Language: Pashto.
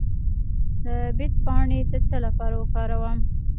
د بید پاڼې د څه لپاره وکاروم؟